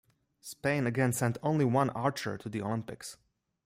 Spain again sent only one archer to the Olympics.